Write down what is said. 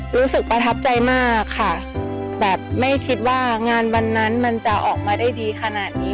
รู้สึกประทับใจมากค่ะแบบไม่คิดว่างานวันนั้นมันจะออกมาได้ดีขนาดนี้